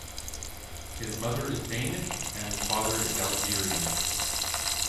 His mother is Danish and his father is Algerian.